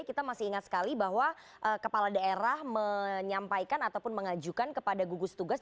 kita masih ingat sekali bahwa kepala daerah menyampaikan ataupun mengajukan kepada gugus tugas